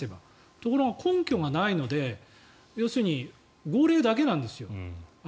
ところが、根拠がないので要するに号令だけなんですよ。